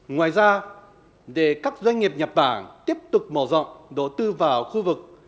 ngoài ra để các doanh nghiệp nhật bản tiếp tục mở rộng đầu tư vào khu vực